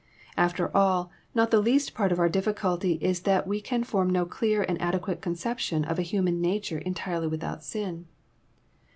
After all, not the least part of our difficulty Is that we can fonv. no clear and adequate conception of a human nature entirely without sin.